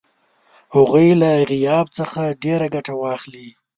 هغوی له غیاب څخه ډېره ګټه واخلي.